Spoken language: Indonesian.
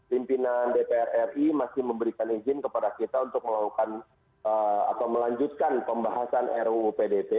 pimpinan dpr ri masih memberikan izin kepada kita untuk melakukan atau melanjutkan pembahasan ruu pdt